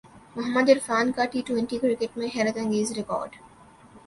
محمد عرفان کا T twenty cricket میں حیرت انگیز ریکارڈ